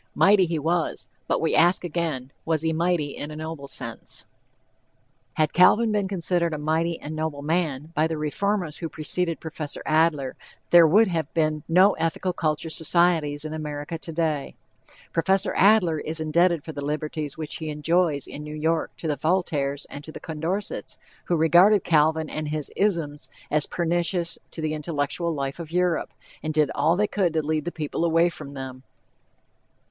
"Mighty" he was, but we ask again, was he mighty in a noble sense? Had Calvin been considered a "mighty and noble man" by the reformers who preceded Prof. Adler, there would have been no Ethical Culture societies in America today. Prof. Adler is indebted for the liberties which he enjoys in New York to the Voltaires and the Condorcets, who regarded Calvin and his "isms" as pernicious to the intellectual life of Europe, and did all they could to lead the people away from them.